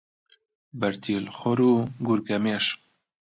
بەرتیل خۆر و گورگەمێش